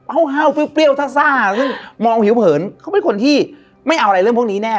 เฮ่าเฮ่าเฟรียวเฟรียวทักซ่าซึ่งมองผิวเผินเขาเป็นคนที่ไม่เอาอะไรเรื่องพวกนี้แน่